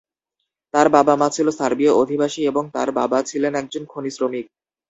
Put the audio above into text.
তার বাবা-মা ছিলেন সার্বীয় অভিবাসী এবং তার বাবা ছিলেন একজন খনি শ্রমিক।